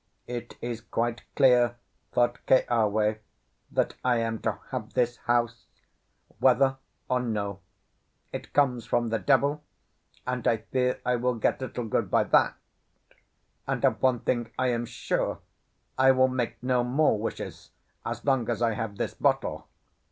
"It is quite clear," thought Keawe, "that I am to have this house, whether or no. It comes from the devil, and I fear I will get little good by that; and of one thing I am sure, I will make no more wishes as long as I have this bottle.